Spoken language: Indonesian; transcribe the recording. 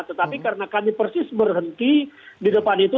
tetapi karena kami persis berhenti di depan itu